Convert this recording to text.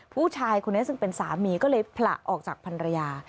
ผู้ชายคนนี้ซึ่งเป็นสามีก็เลยผละออกจากพันรยา